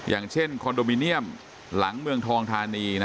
อย่างเช่นคอนโดมิเนียมหลังเมืองทองธานี